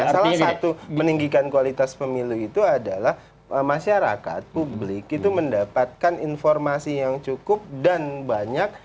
salah satu meninggikan kualitas pemilu itu adalah masyarakat publik itu mendapatkan informasi yang cukup dan banyak